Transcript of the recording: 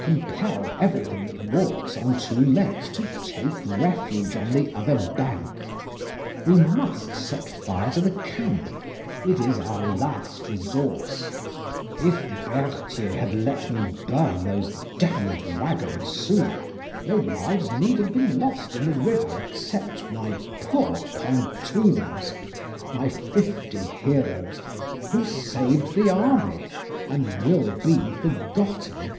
Compel everything that walks on two legs to take refuge on the other bank. We must set fire to the camp; it is our last resource. If Berthier had let me burn those d d wagons sooner, no lives need have been lost in the river except my poor pontooners, my fifty heroes, who saved the Army, and will be forgotten."